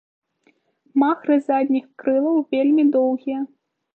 Махры задніх крылаў вельмі доўгія.